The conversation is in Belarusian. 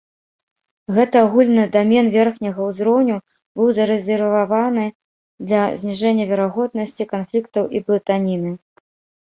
Гэты агульны дамен верхняга ўзроўню быў зарэзерваваны для зніжэння верагоднасці канфліктаў і блытаніны.